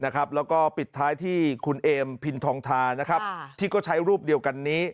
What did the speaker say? แล้วก็ปิดท้ายที่คุณเอมพินทองทาที่ก็ใช้รูปเดียวกันนี้